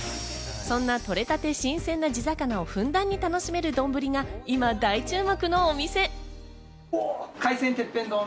そんな取れたて新鮮な地魚をふんだんに楽しめる丼が今、大注目のお店。